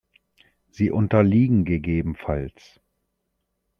Sie unterliegen ggf.